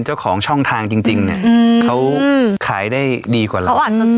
เจ้าของช่องทางจริงจริงเนี่ยอืมเขาอืมขายได้ดีกว่าเราเขาอาจจะ